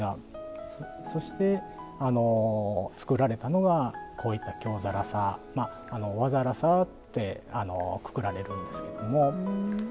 そして作られたのがこういった京更紗まあ和更紗ってくくられるんですけども。